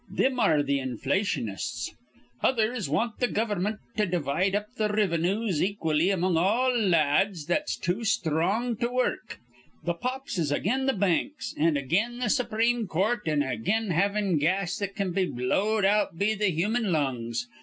Thim are th' inflationists. Others want th' gover'mint to divide up the rivinues equally among all la ads that's too sthrong to wurruk. Th' Pops is again th' banks an' again the supreme court an again havin' gas that can be blowed out be th' human lungs.